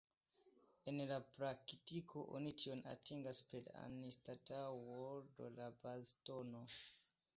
En la praktiko oni tion atingas per anstataŭo de la bas-tono.